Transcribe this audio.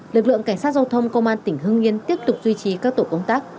lực lượng cảnh sát giao thông công an tỉnh hưng yên tiếp tục duy trì các tổ công tác